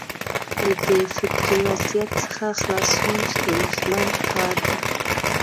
له دې فکري وضعیت څخه خلاصون ستونزمن کار دی.